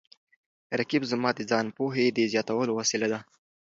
رقیب زما د ځان پوهې د زیاتولو وسیله ده